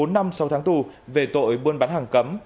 bốn năm sau tháng tù về tội buôn bán hàng cấm